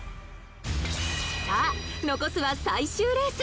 さあ残すは最終レース